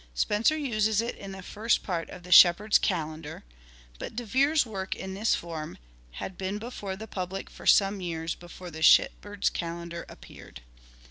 • Spenser uses it in the first part of the " Shepherd's Calendar "; but De Vere's work in this form had been before the public for some years before the " Shepherd's Calendar " appeared.